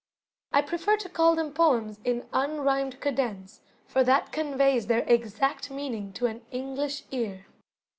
I prefer to call them poems in "unrhymed cadence", for that conveys their exact meaning to an English ear.